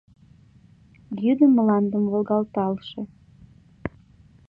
Йӱдым мландым волгалталше.